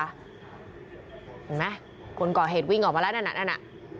เห็นไหมคนก่อเหตุวิ่งออกมาแล้วนั่นน่ะ